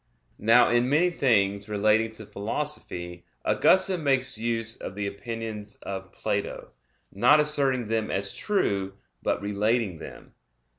Now in many things relating to Philosophy Augustine makes use of the opinions of Plato, not asserting them as true, but relating them.